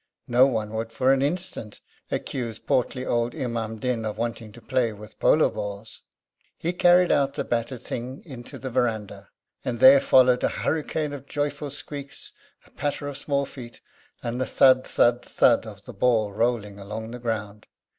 No one would for an instant accuse portly old Imam Din of wanting to play with polo balls. He carried out the battered thing into the verandah; and there followed a hurricane of joyful squeaks, a patter of small feet, and the thud thud thud of the ball rolling along the ground.